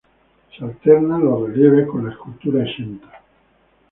Se alternan los relieves con la escultura exenta.